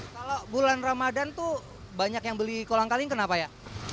kalau bulan ramadhan tuh banyak yang beli kolang kaling kenapa ya